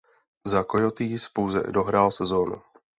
Za Coyotes pouze dohrál sezonu.